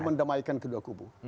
menjadikan kedua kubu